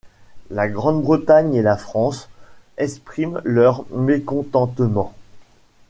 La Grande-Bretagne et la France expriment leur mécontentement.